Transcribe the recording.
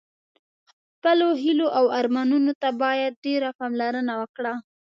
خپلو هیلو او ارمانونو ته باید ډېره پاملرنه وکړه.